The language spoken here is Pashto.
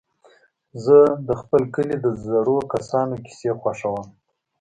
زه د خپل کلي د زړو کسانو کيسې خوښوم.